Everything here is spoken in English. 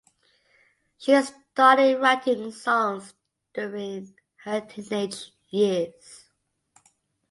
She started writing songs during her teenage years.